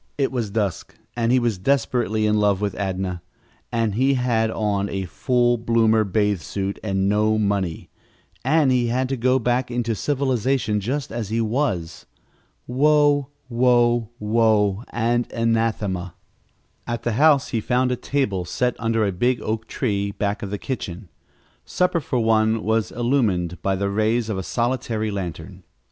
It was dusk, and he was desperately in love with Adnah, and he had on a fool bloomer bath suit and no money, and he had to go back into civilization just as he was. Woe, woe, woe and anathema! At the house he found a table set under a big oak tree back of the kitchen. Supper for one was illumined by the rays of a solitary lantern.